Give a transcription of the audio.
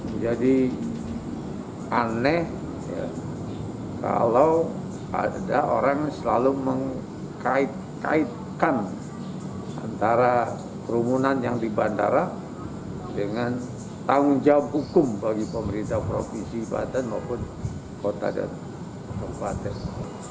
menjadi aneh kalau ada orang yang selalu mengkaitkan antara kerumunan yang di bandara dengan tanggung jawab hukum bagi pemerintah provinsi banten maupun kota dan tempatnya